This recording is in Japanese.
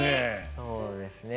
そうですね。